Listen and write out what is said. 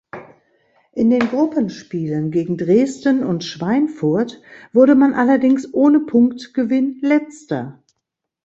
In den Gruppenspielen gegen Dresden und Schweinfurt wurde man allerdings ohne Punktgewinn Letzter.